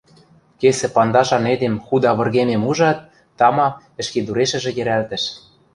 Кесӹ пандашан эдем худа выргемем ужат, тама, ӹшкедурешӹжӹ йӹрӓлтӹш.